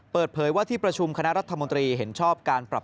เปิดเผยว่าที่ประชุมคณะรัฐมนตรีเห็นชอบการปรับ